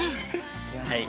はい。